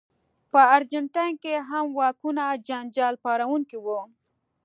په ارجنټاین کې هم واکونه جنجال پاروونکي وو.